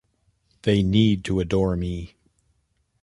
They need to adore me.